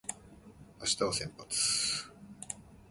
明日は先発